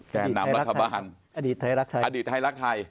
นำรัฐบาลอดีตไทยรักไทย